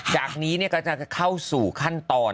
จากนี้ก็จะเข้าสู่ขั้นตอน